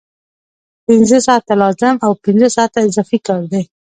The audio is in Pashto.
پنځه ساعته لازم او پنځه ساعته اضافي کار دی